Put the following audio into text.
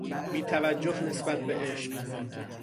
بیتوجه نسبت به عشق